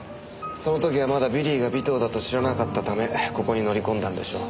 その時はまだビリーが尾藤だと知らなかったためここに乗り込んだんでしょう。